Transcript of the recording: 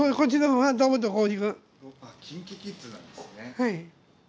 はい。